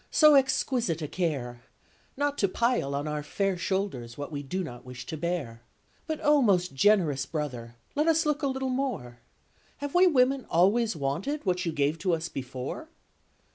So exquisite a care! Not to pile on our fair shoulders what we do not wish to bear! But, oh, most generous brother! let us look a little more— Have we women always wanted what you gave to us before?"